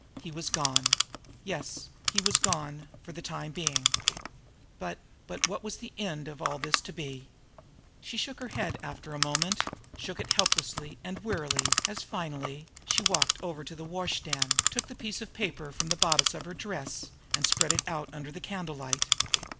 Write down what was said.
He was gone. Yes, he was gone for the time being. But but what was the end of all this to be? She shook her head after a moment, shook it helplessly and wearily, as, finally, she walked over to the washstand, took the piece of paper from the bodice of her dress, and spread it out under the candle light.